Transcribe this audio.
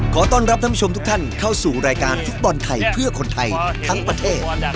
ขอต้อนรับท่านผู้ชมทุกท่านเข้าสู่รายการฟุตบอลไทยเพื่อคนไทยทั้งประเทศ